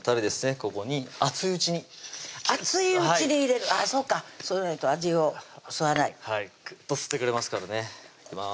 ここに熱いうちに熱いうちに入れるあそうかそうでないと味を吸わないグッと吸ってくれますからねいきます